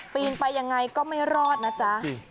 ปีนไปยังไงก็ไม่รอดนะจ๊ะ